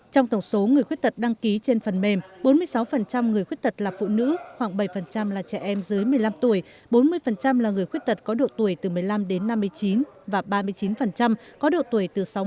trong tổng số người khuyết tật đăng ký trên phần mềm bốn mươi sáu người khuyết tật là phụ nữ khoảng bảy là trẻ em dưới một mươi năm tuổi bốn mươi là người khuyết tật có độ tuổi từ một mươi năm đến năm mươi chín và ba mươi chín có độ tuổi từ sáu mươi